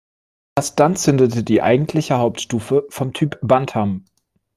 Erst dann zündete die eigentliche Hauptstufe vom Typ Bantam.